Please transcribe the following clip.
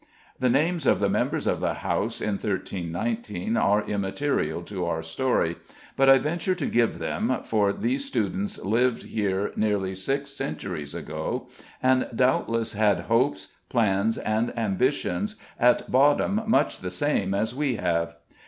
The names of the members of the House in 1319 are immaterial to our story, but I venture to give them, for these students lived here nearly six centuries ago, and doubtless had hopes, plans, and ambitions at bottom much the same as we have.